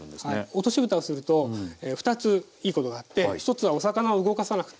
落としぶたをすると２ついいことがあって１つはお魚を動かさなく。